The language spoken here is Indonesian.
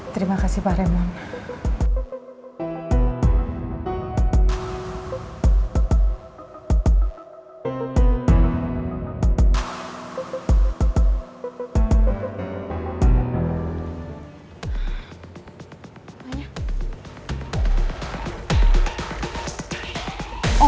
terima kasih pak remon